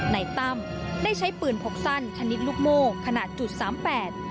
นายตำได้ใช้ปืนพกสั้นคณิตลุกโมขนาดจุดสามแปด